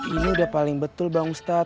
ini udah paling betul bang ustadz